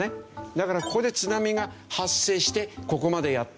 だからここで津波が発生してここまでやって来る。